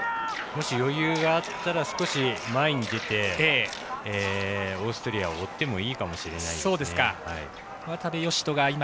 もし余裕があったら少し、前に出てオーストリアを追ってもいいかもしれないです。